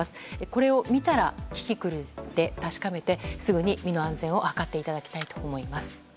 これを見たらキキクルで確かめてすぐに、身の安全を図っていただきたいと思います。